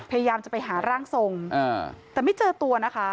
พยายามจะไปหาร่างทรงแต่ไม่เจอตัวนะคะ